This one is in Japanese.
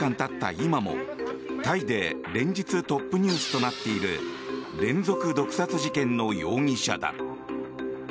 今もタイで連日トップニュースとなっている連続毒殺事件の容疑者だ。